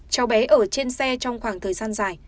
cháu bé ở trên xe trong khoảng thời gian dài